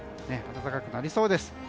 暖かくなりそうです。